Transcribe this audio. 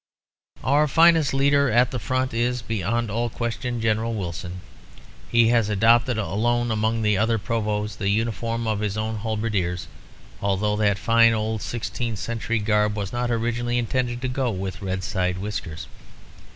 "Our finest leader at the front is, beyond all question, General Wilson. He has adopted alone among the other Provosts the uniform of his own halberdiers, although that fine old sixteenth century garb was not originally intended to go with red side whiskers.